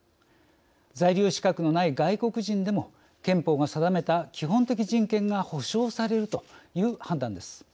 在留資格のない外国人でも憲法が定めた基本的人権が保障されるという判断です。